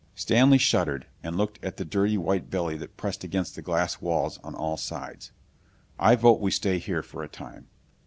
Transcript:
Stanley shuddered, and looked at the dirty white belly that pressed against the glass walls on all sides. "I vote we stay here for a time."